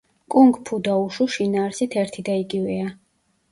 კუნგ-ფუ და უშუ შინაარსით ერთი და იგივეა.